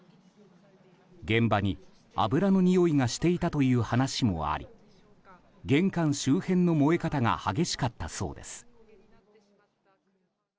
現場に、油のにおいがしていたという話もあり玄関周辺の燃え方が激しかったそうです。